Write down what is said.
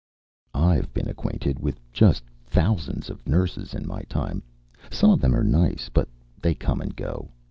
I've been acquainted with just thousands of nurses in my time. Some of them are nice. But they come and go.